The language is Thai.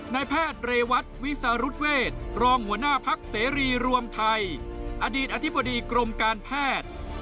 นายแพทย์เรวัตวิสารุทเวศรองหัวหน้าพักเสรีรวมไทยอดีตอธิบดีกรมการแพทย์